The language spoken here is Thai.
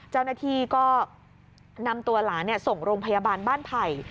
เจ้าหน้าที่ก็นำตัวหลานส่งโรงพยาบาลบ้านไผ่